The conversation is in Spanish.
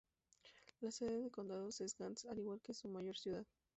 La sede del condado es Grants, al igual que su mayor ciudad.